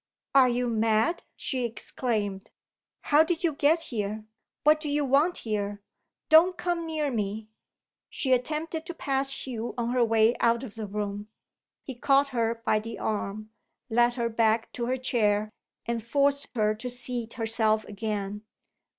"Are you mad?" she exclaimed. "How did you get here? What do you want here? Don't come near me!" She attempted to pass Hugh on her way out of the room. He caught her by the arm, led her back to her chair, and forced her to seat herself again.